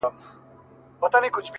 o گراني بس څو ورځي لا پاته دي ـ